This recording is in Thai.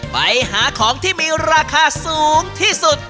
ไปหาของที่มีราคาสูงที่สุด